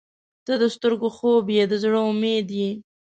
• ته د سترګو خوب یې، د زړه امید یې.